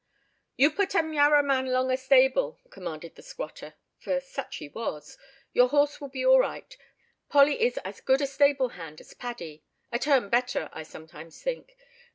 "You put 'em yarraman longa stable," commanded the squatter—for such he was. "Your horse will be all right. Polly is as good a stable hand as Paddy—a turn better, I sometimes think.